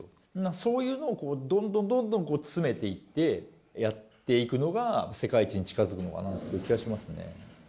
そういうのをどんどんどんどん詰めていって、やっていくのが、世界一に近づくのかなという気がしますね。